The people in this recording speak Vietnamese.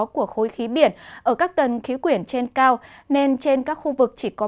của khối khí biển ở các tầng khí quyển trên cao nên trên các khu vực chỉ có